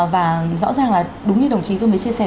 và rõ ràng là đúng như đồng chí vừa mới chia sẻ